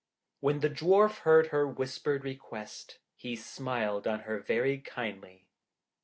When the Dwarf heard her whispered request, he smiled on her very kindly.